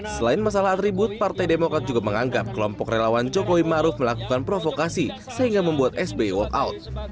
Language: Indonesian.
selain masalah atribut partai demokrat juga menganggap kelompok relawan jokowi maruf melakukan provokasi sehingga membuat sby walk out